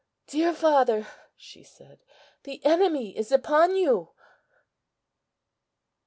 "Dear father," she said, "the enemy is upon you."